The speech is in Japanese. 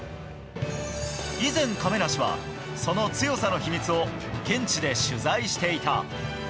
以前、亀梨はその強さの秘密を現地で取材していた。